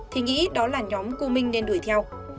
thì nghĩ đó là nhóm cô minh nên đuổi theo